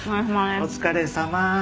お疲れさま。